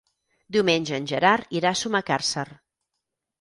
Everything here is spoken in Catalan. Diumenge en Gerard irà a Sumacàrcer.